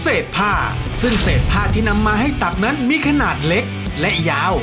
เศษผ้าซึ่งเศษผ้าที่นำมาให้ตักนั้นมีขนาดเล็กและยาว